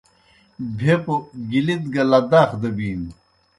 بھیپوْ گِلِت گہ لداخ دہ بِینوْ۔